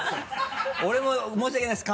俺も申し訳ないです